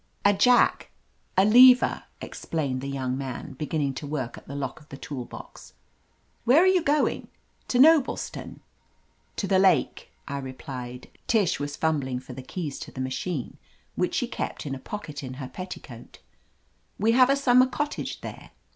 "A jack — a, lever," explained the young man, beginning to work at the lock of the tool box. "Where are you going — to Noblestown?" "To the lake," I replied. Tish was fum bling for the keys to the machine which she kept in a pocket in her petticoat, "We have a summer cottage there."